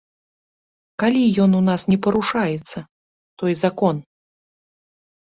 Калі ён у нас не парушаецца, той закон?